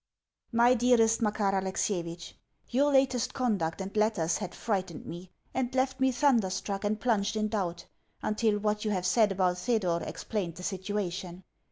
MY DEAREST MAKAR ALEXIEVITCH, Your latest conduct and letters had frightened me, and left me thunderstruck and plunged in doubt, until what you have said about Thedor explained the situation.